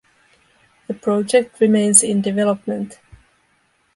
The project remains in development.